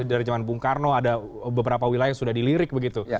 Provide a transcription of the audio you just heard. dari zaman bung karno ada beberapa wilayah yang sudah dilirik begitu